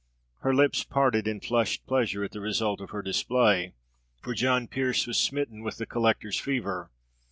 Her lips parted in flushed pleasure at the result of her display, for John Pearse was smitten with the collector's fever.